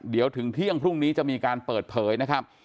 เดี๋ยวถึงเที่ยงพรุ่งนี้จะมีการเปิดเผยนะครับ